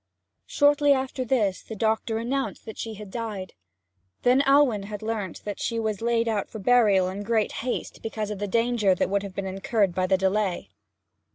Shortly after this the doctor announced that she had died. Then Alwyn had learnt that she was laid out for burial in great haste, because of the danger that would have been incurred by delay.